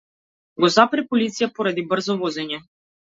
Го запре полиција поради брзо возење.